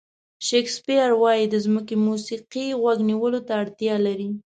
شکسپیر وایي د ځمکې موسیقي غوږ نیولو ته اړتیا لري.